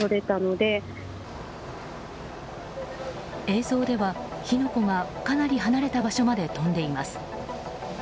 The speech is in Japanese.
映像では火の粉がかなり離れた場所まで飛んでいます。